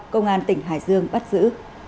công an tỉnh hải dương bắt giữ